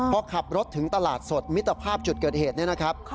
เพราะขับรถถึงตลาดสดมิตรภาพจุดเกิดเหตุนะครับ